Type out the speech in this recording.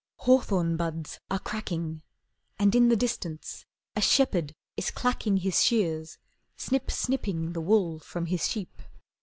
Hawthorn buds are cracking, And in the distance a shepherd is clacking His shears, snip snipping the wool from his sheep.